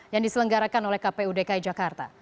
yang diselenggarakan oleh kpu dki jakarta